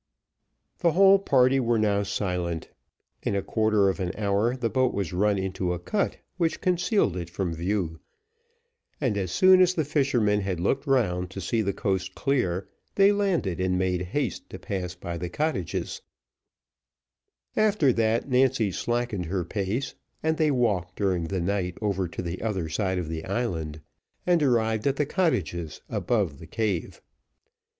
The whole party were now silent. In a quarter of an hour the boat was run into a cut, which concealed it from view; and, as soon as the fisherman had looked round to see the coast clear, they landed and made haste to pass by the cottages; after that Nancy slackened her pace, and they walked during the night over to the other side of the island, and arrived at the cottages above the cave.